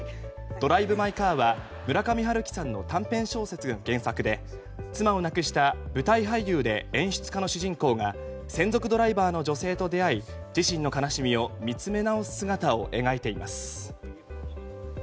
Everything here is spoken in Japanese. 「ドライブ・マイ・カー」は村上春樹さんの短編小説が原作で妻を亡くした舞台俳優で演出家の主人公が専属ドライバーの女性と出会い自身の悲しみを見つめ直す姿を描いています。